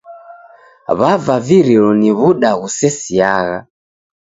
W'avavirilo ni w'uda ghusesiagha.